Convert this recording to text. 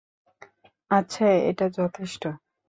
আচ্ছা, এটা যথেষ্ট।